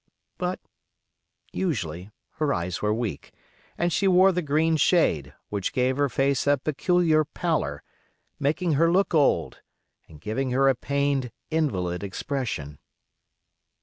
But usually her eyes were weak, and she wore the green shade, which gave her face a peculiar pallor, making her look old, and giving her a pained, invalid expression.